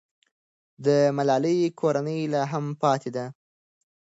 د ملالۍ کورنۍ لا هم پاتې ده.